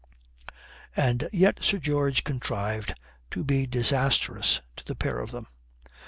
And yet Sir George contrived to be disastrous to the pair of them.